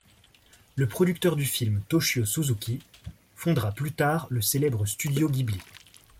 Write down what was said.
Le producteur du film Toshio Suzuki fondera plus tard le célèbre Studio Ghibli.